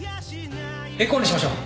エコーにしましょう